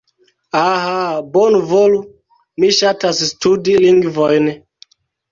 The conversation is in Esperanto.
Ah... Bonvolu, mi ŝatas studi lingvojn...